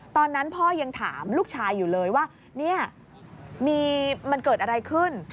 ตอนนั้นพ่อยังถามลูกชายอยู่เลยว่าเนี่ยมันเกิดอะไรขึ้น